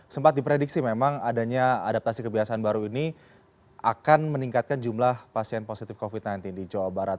sempat diprediksi memang adanya adaptasi kebiasaan baru ini akan meningkatkan jumlah pasien positif covid sembilan belas di jawa barat